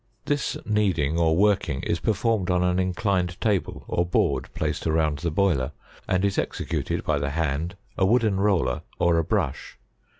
This kneading or working is performed on an inclined table or board placed around the boiler, and is executed by the hand, a wooden roller or a brush.